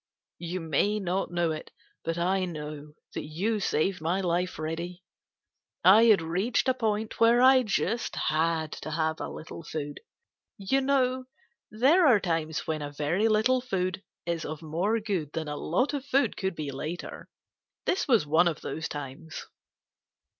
You may not know it, but I know that you saved my life, Reddy. I had reached a point where I just had to have a little food. You know there are times when a very little food is of more good than a lot of food could be later. This was one of those times."